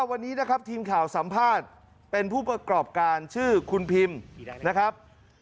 วันนี้นะครับทีมข่าวสัมภาษณ์เป็นผู้ประกอบการชื่อคุณพิมนะครับ